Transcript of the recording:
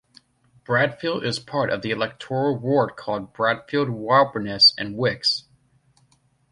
Bradfield is part of the electoral ward called Bradfield, Wrabness and Wix.